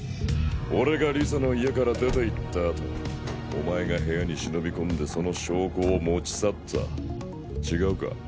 俺がリサの家から出て行った後お前が部屋に忍び込んでその証拠を持ち去った違うか？